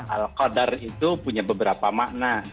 al qadar itu punya beberapa makna